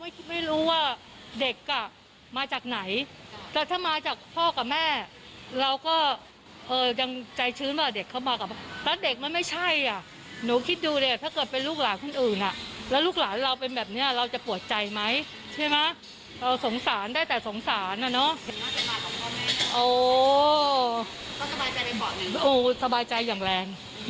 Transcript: สบายใจอย่างแรงสบายใจอย่างแรงเลยว่าเขามากับพ่อกับแม่